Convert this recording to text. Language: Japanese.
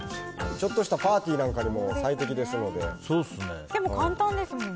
ちょっとしたパーティーなんかにもでも簡単ですもんね。